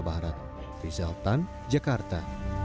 barat rizal tan jakarta